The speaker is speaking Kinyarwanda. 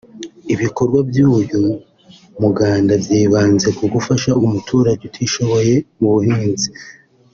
Ibikorwa by’uyu muganda byibanze ku gufasha umuturage utishoboye mu buhinzi